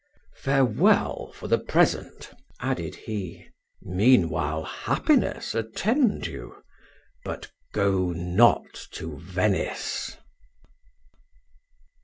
Farewell for the present," added he, "meanwhile happiness attend you; but go not to Venice."